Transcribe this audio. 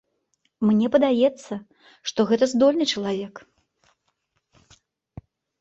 Мне падаецца, што гэта здольны чалавек.